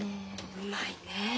うまいね。